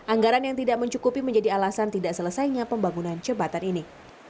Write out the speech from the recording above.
anggaran yang tidak mencukupi menjadi alasan tidak selesainya pembangunan jembatan ini